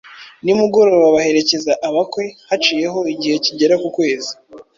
Nimugoroba baherekeza abakwe. Haciyeho igihe kigera ku kwezi,